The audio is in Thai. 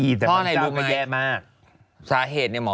วิธีการดูแลใช่ไหม